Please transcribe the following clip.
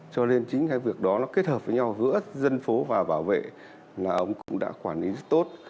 cho nên chính cái việc đó nó kết hợp với nhau giữa dân phố và bảo vệ là ông cũng đã quản lý rất tốt